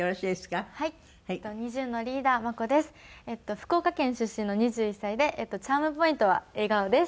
福岡県出身の２１歳でチャームポイントは笑顔です。